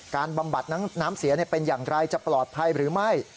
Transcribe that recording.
บำบัดน้ำเสียเป็นอย่างไรจะปลอดภัยหรือไม่